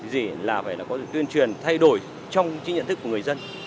chỉ là phải có thể tuyên truyền thay đổi trong chính nhận thức của người dân